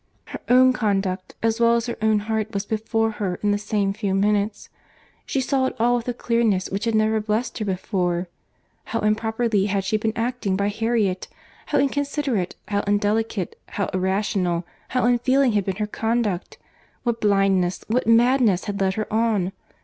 Her own conduct, as well as her own heart, was before her in the same few minutes. She saw it all with a clearness which had never blessed her before. How improperly had she been acting by Harriet! How inconsiderate, how indelicate, how irrational, how unfeeling had been her conduct! What blindness, what madness, had led her on!